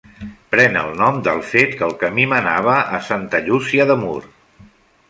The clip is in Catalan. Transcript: Pren el nom del fet que el camí menava a Santa Llúcia de Mur.